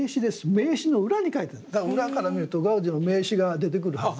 だから裏から見るとガウディの名刺が出てくるはずです。